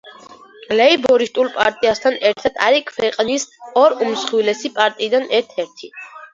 ლეიბორისტულ პარტიასთან ერთად არის ქვეყნის ორ უმსხვილესი პარტიიდან ერთ-ერთი.